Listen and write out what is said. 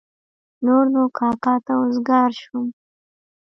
نور نو کاکا ته وزګار شوم.